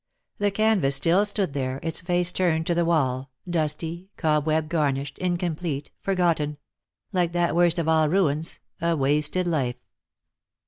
The canvas still stood there, its face turned to the wall, dusty, cob welj garnished, incomplete, forgotten — like that worst of all ruins, a wasted life.